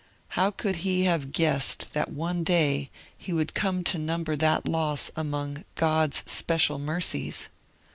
How could he have guessed that one day he would come to number that loss among 'God's special mercies?